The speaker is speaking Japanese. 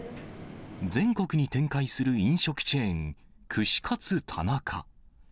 全国に展開する飲食チェーン、串カツ田中。